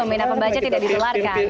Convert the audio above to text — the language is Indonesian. karena pembaca tidak ditelelarkan